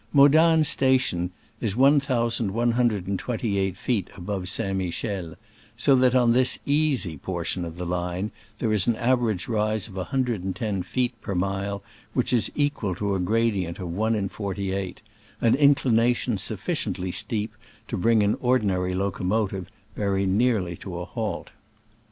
Modane station is 11 28 feet above St. Michel, so that on this, easy portion of the line there is an average rise of 1 10 feet per mile, which is equal to a gradient of one in forty eight — an inclination suf ficiently steep to bring an ordinary loco motive very nearly to a halt.